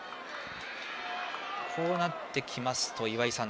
こうなってきますと、岩井さん